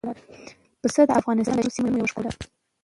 پسه د افغانستان د شنو سیمو یوه ښکلا ده.